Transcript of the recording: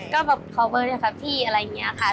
ต้องบอกว่าพี่นกอะไรเป็นคนพี่ชอบเขา